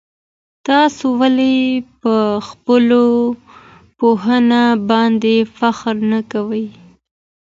تاسو ولي په خپله پوهنه باندي فخر نه کوئ؟